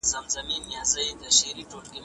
هغه سړی په بازار کي په کار بوخت دی.